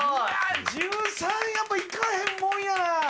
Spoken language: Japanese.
１３、やっぱいかへんもんやな。